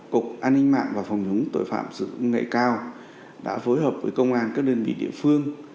cục an ninh mạng và phòng nhúng tội phạm sự ngại cao đã phối hợp với công an các đơn vị địa phương